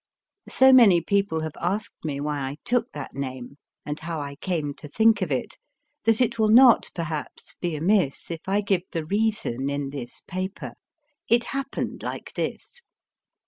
So many people have asked me why I took that name, and how I came to think of it, that it will not, perhaps, be amiss if I give the reason in this paper. It happened like this.